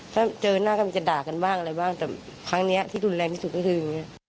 ถ้าเจอหน้ากันจะด่ากันบ้างอะไรบ้างแต่ครั้งนี้ที่รุนแรงที่สุดก็คือ